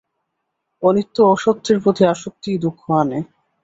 অনিত্য অসত্যের প্রতি আসক্তিই দুঃখ আনে।